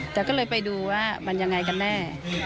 แต่ก็เลยไปดูว่ามันยังไงกันแน่